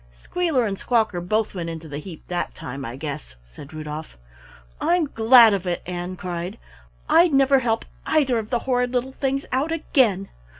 "Squealer and Squawker both went into the heap that time, I guess," said Rudolf. "I'm glad of it!" Ann cried. "I'd never help either of the horrid little things out again.